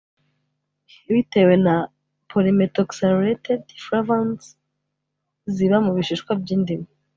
Bitewe na PolyMethoxylated Flavones ziba mu bishishwa by’indimu